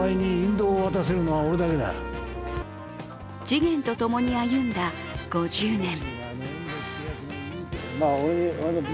次元とともに歩んだ５０年。